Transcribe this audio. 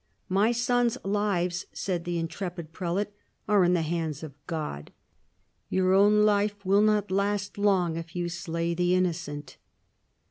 " My sons' lives," said the intrepid prelate, " are in the hands of God^ Your own life will not last long if you slay the inn(5^'' cent."